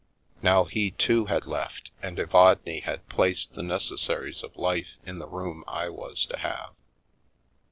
Now he, too, had left, and Evadne had placed the neces saries of life in the room I was to have.